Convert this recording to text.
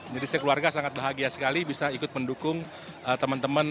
jadi sekeluarga sangat bahagia sekali bisa ikut mendukung teman teman